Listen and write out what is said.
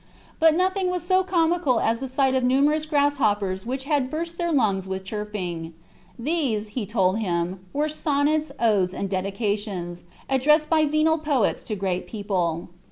But nothing was so comical as the sight of numerous grasshoppers which had burst their lungs with chirping. These, he told him, were sonnets, odes, and dedications, addressed by venal poets to great people.